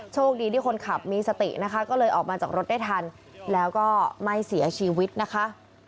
โชคดีที่คนขับมีสตินะคะก็เลยออกมาจากรถได้ทันแล้วก็ไม่เสียชีวิตนะคะ